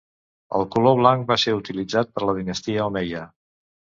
El color blanc va ser utilitzat per la dinastia omeia.